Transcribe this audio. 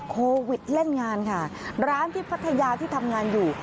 โควิดเล่นงานค่ะร้านที่พัทยาที่ทำงานอยู่